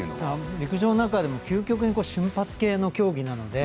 陸上なんかでも、究極に瞬発の競技なので。